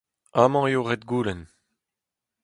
Amañ eo ret goulenn.